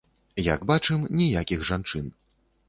Як бачым, ніякіх жанчын.